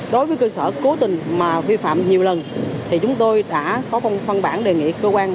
đối với cơ sở cố tình mà vi phạm nhiều lần thì chúng tôi đã có phân bản đề nghị cơ quan